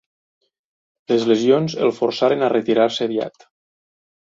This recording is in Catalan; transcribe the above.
Les lesions el forçaren a retirar-se aviat.